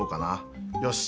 よし。